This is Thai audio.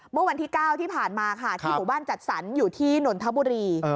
เมื่อวันที่๙ที่ผ่านมาค่ะที่หมู่บ้านจัดสรรอยู่ที่นนทบุรี